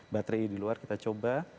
baterai di luar kita coba